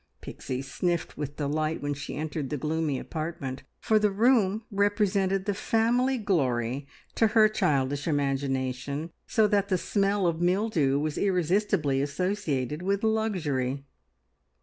Pixie sniffed with delight when she entered the gloomy apartment, for the room represented the family glory to her childish imagination, so that the smell of mildew was irresistibly associated with luxury.